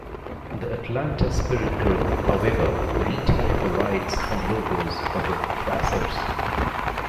The Atlanta Spirit Group, however, retained the rights and logos for the Thrashers.